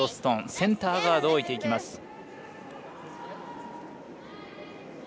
センターガードを置いていきます。